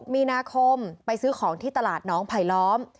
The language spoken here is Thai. มีนาคมไปซื้อของที่ตลาดน้องไผลล้อม